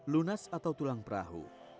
lunas atau tulang perahu